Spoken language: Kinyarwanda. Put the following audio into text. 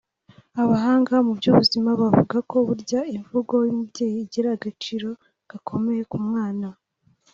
Abahanga mu by’ubuzima bavuga ko burya imvugo y’umubyeyi igira agaciro gakomeye ku mwana